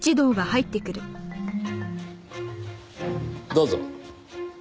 どうぞ。